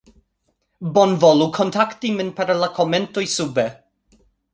bonvolu kontakti min per la komentoj sube